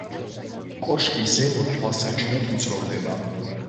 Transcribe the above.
კოშკი ზემოთ თვალსაჩინოდ ვიწროვდება.